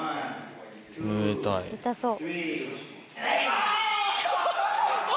痛そう。